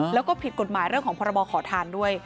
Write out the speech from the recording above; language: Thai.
แล้วก็ผิดกฎหมายเรื่องของพรบขอทานด้วย